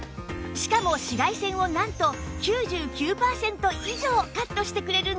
しかも紫外線をなんと９９パーセント以上カットしてくれるんです